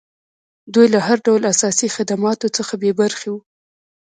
دوی له هر ډول اساسي خدماتو څخه بې برخې وو.